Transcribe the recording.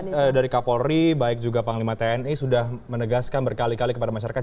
tapi dari kapolri baik juga panglima tni sudah menegaskan berkali kali kepada masyarakat